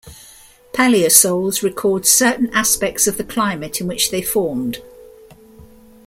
Paleosols record certain aspects of the climate in which they formed.